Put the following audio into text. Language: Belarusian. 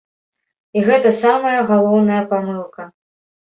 І гэта самая галоўная памылка.